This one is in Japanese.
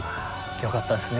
よかったですね。